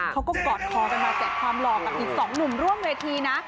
เขาก็กอดคอไปมาแกะความหล่อกับอีกสองหนุ่มร่วมเวทีนะ